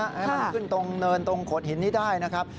ให้มันขึ้นตรงเนินตรงโขดหินนี้ได้นะครับ